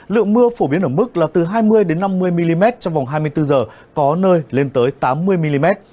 lượng mưa phổ biến ở mức là từ hai mươi năm mươi mm trong vòng hai mươi bốn h có nơi lên tới tám mươi mm